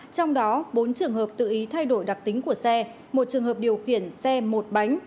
trong đó bốn trường hợp tự ý thay đổi đặc tính của xe một trường hợp điều khiển xe một bánh